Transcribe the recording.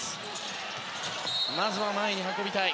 まず前に運びたい。